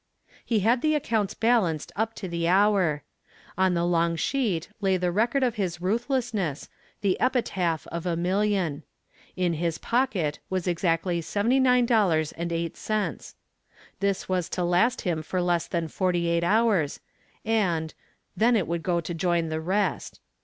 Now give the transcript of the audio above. He had the accounts balanced up to the hour. On the long sheet lay the record of his ruthlessness, the epitaph of a million. In his pocket was exactly $79.08. This was to last him for less than forty eight hours and then it would go to join the rest.